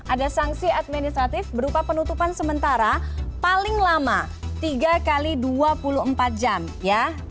ada sanksi administratif berupa penutupan sementara paling lama tiga x dua puluh empat jam ya